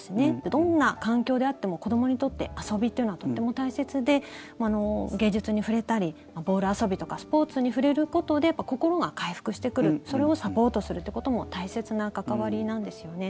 どんな環境であっても子どもにとって遊びというのはとっても大切で芸術に触れたりボール遊びとかスポーツに触れることで心が回復してくるそれをサポートするということも大切な関わりなんですよね。